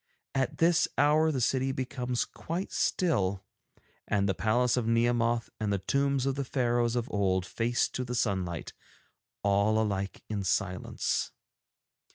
At this hour the city becomes quite still, and the palace of Nehemoth and the tombs of the Pharaohs of old face to the sunlight, all alike in silence.